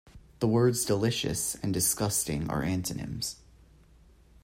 The words delicious and disgusting are antonyms.